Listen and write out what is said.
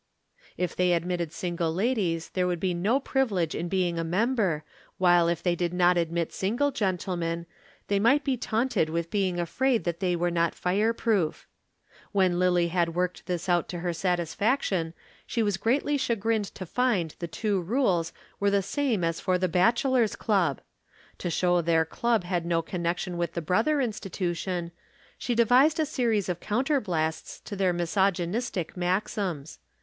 If they admitted single ladies there would be no privilege in being a member, while if they did not admit single gentlemen, they might be taunted with being afraid that they were not fireproof. When Lillie had worked this out to her satisfaction she was greatly chagrined to find the two rules were the same as for "The Bachelors' Club." To show their club had no connection with the brother institution, she devised a series of counterblasts to their misogynic maxims.